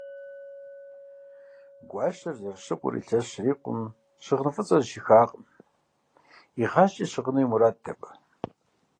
Гуащэр зэрыщыгъуэрэ илъэс щрикъуми, щыгъын фӏыцӏэр зыщихакъым: игъащӏэкӏэ щыгъуэну и мурадт абы.